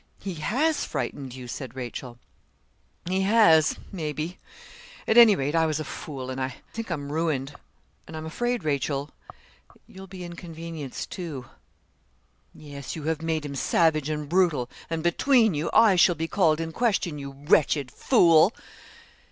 He has frightened you' said Rachel. 'He has, maybe. At any rate, I was a fool, and I think I'm ruined; and I'm afraid, Rachel, you'll be inconvenienced too.' 'Yes, you have made him savage and brutal; and between you, I shall be called in question, you wretched fool!'